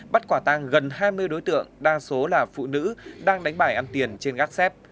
bắt quả tăng gần hai mươi đối tượng đa số là phụ nữ đang đánh bài ăn tiền trên gác xếp